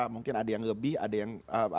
mungkin ada yang lebih ada yang